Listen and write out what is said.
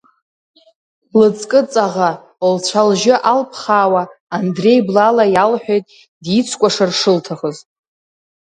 Лыҵкы-ҵаӷа лцәа-лжьы алԥхаауа, Андреи блала иалҳәеит дицкәашар шылҭахыз.